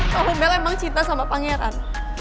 kalau membela emang cinta sama pangeran